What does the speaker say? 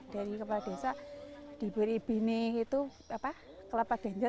dari kepala desa diberi bini kelapa ganja